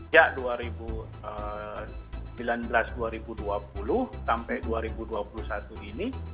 dan memburukkan sejak dua ribu sembilan belas dua ribu dua puluh sampai dua ribu dua puluh satu ini